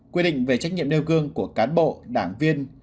quy định về trách nhiệm nêu gương của cán bộ đảng viên